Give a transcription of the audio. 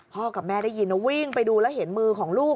กับแม่ได้ยินนะวิ่งไปดูแล้วเห็นมือของลูก